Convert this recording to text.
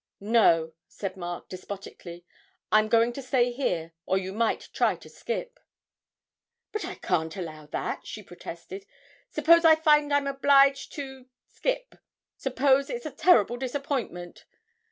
'No,' said Mark despotically, 'I'm going to stay here or you might try to skip.' 'But I can't allow that,' she protested; 'suppose I find I'm obliged to skip suppose it's a terrible disappointment?